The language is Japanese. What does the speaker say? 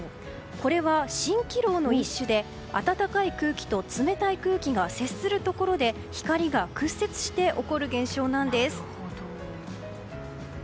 これは蜃気楼の一種で暖かい空気と冷たい空気が接するところで光が屈折して起こる現象なんです。